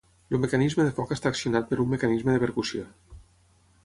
El mecanisme de foc està accionat per un mecanisme de percussió.